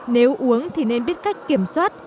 nếu uống thì nên biết cách kiểm soát